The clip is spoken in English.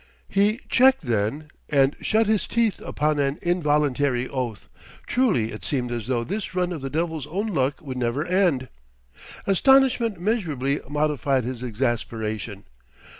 He checked then, and shut his teeth upon an involuntary oath: truly it seemed as though this run of the devil's own luck would never end! Astonishment measurably modified his exasperation.